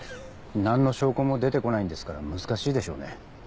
何の証拠も出て来ないんですから難しいでしょうね。